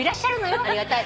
ありがたい。